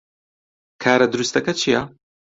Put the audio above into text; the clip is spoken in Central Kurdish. کارە دروستەکە چییە؟